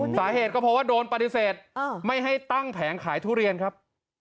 สาเหตุก็เพราะว่าโดนปฏิเสธไม่ให้ตั้งแผงขายทุเรียนครับ